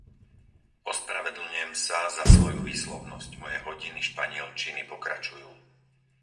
Ospravedlňujem sa za svoju výslovnosť - moje hodiny španielčiny pokračujú.